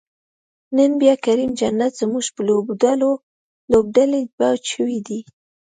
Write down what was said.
نن بیا کریم جنت زمونږ په لوبډلی بوج شوی دی